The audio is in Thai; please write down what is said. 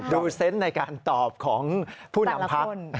ดูเซ็นต์ในการตอบของผู้หลังภักดิ์